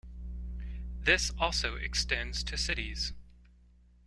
This also extends to cities.